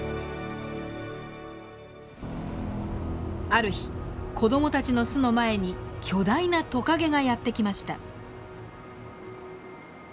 ある日子どもたちの巣の前に巨大なトカゲがやってきました。